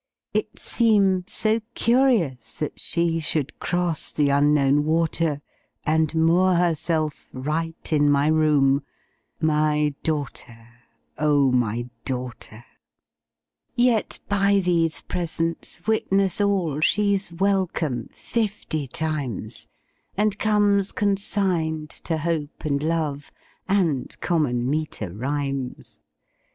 It seemed so curious that she Should cross the Unknown water, And moor herself right in my room, My daughter, O my daughter! Yet by these presents witness all She's welcome fifty times, And comes consigned to Hope and Love And common meter rhymes.